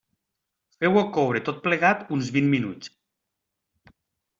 Feu-ho coure tot plegat uns vint minuts.